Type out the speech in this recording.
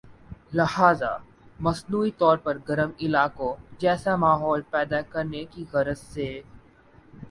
لہذا مصنوعی طور پر گرم علاقوں جیسا ماحول پیدا کرنے کی غرض سے